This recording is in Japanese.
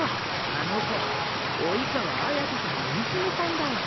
あの子生川綾子さんの娘さんだよ。